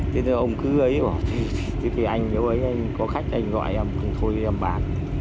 thế thì ông cứ gây ý bảo thế thì anh có khách anh gọi em không thôi em bán